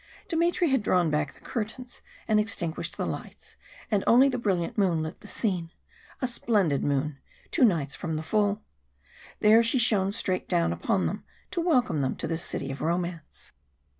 Dmitry had drawn back the curtains and extinguished the lights, and only the brilliant moon lit the scene; a splendid moon, two nights from the full. There she shone straight down upon them to welcome them to this City of Romance.